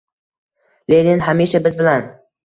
Lenin hamisha biz bilan!